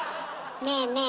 ねえねえ